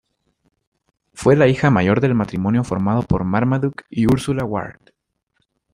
Fue la hija mayor del matrimonio formado por Marmaduke y Úrsula Ward.